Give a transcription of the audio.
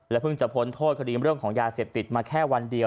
เพิ่งจะพ้นโทษคดีเรื่องของยาเสพติดมาแค่วันเดียว